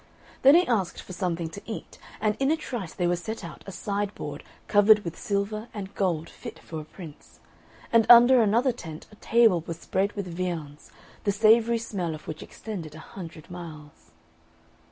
Then he asked for something to eat, and in a trice there was set out a sideboard covered with silver and gold fit for a prince, and under another tent a table was spread with viands, the savoury smell of which extended a hundred miles.